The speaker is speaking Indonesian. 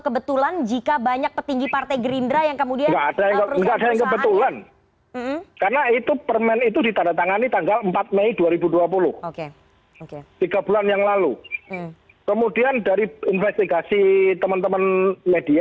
kita tidak lagi dalam ranah